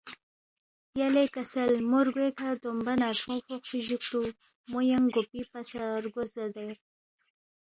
یلے کسل موے رگوے کھہ دومبہ نرفونگ فوقفی جُوکتُو مو ینگ گوپی پا سہ رگُو زدے